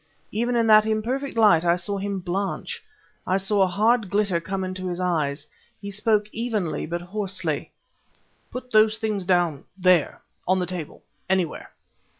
Even in that imperfect light I saw him blanch. I saw a hard glitter come into his eyes. He spoke, evenly, but hoarsely: "Put those things down there, on the table; anywhere."